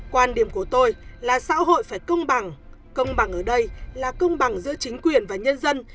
quan điểm của tôi là xã hội phải công bằng công bằng ở đây là công bằng giữa chính quyền và nhân dân